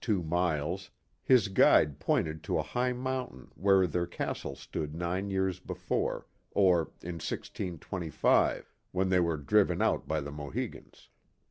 two miles, his guide pointed to a high mountain (?) where their castle stood nine years before, or in 1625, when they were driven out by the Mohicans.